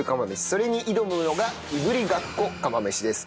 それに挑むのがいぶりがっこ釜飯です。